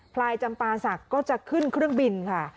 ลายจำปาศักดิ์ก็จะขึ้นเครื่องบินค่ะ